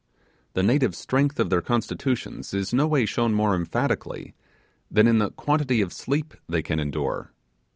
The native strength of their constitution is no way shown more emphatically than in the quantity of sleep they can endure.